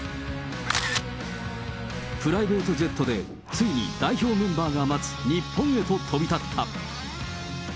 プライベートジェットでついに、代表メンバーが待つ日本へと飛び立った。